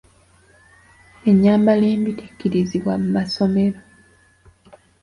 Ennyambala embi tekkirizibwa mu masomero.